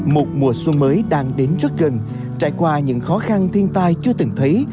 một mùa xuân mới đang đến rất gần trải qua những khó khăn thiên tai chưa từng thấy